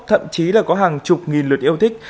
thậm chí là có hàng chục nghìn lượt yêu thích